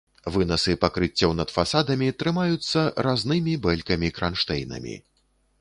Вынасы пакрыццяў над фасадамі трымаюцца разнымі бэлькамі-кранштэйнамі.